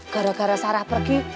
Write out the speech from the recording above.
gara gara sarah pergi